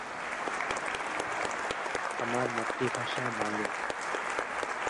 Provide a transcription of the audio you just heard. চলচ্চিত্রটি পরিচালনা করেছেন মনতাজুর রহমান আকবর ও আরমান প্রোডাকশনের ব্যানারে প্রযোজনা করেছেন আরমান।